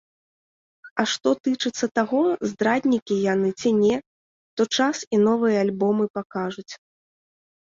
А што тычыцца таго, здраднікі яны ці не, то час і новыя альбомы пакажуць.